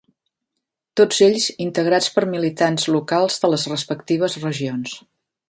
Tots ells integrats per militants locals de les respectives regions.